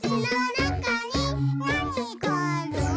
「なにがある？」